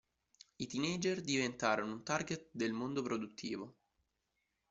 I teenager diventarono un target del mondo produttivo.